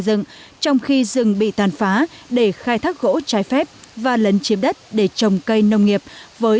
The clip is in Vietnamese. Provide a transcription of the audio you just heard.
dựng trong khi rừng bị tàn phá để khai thác gỗ trái phép và lấn chiếm đất để trồng cây nông nghiệp với